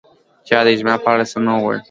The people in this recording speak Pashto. چا د اجماع په اړه څه نه ویل